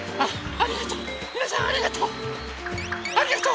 ありがとう。